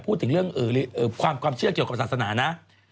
พูดถึงเรื่องความเชื่อเกี่ยวกับศาสนานะ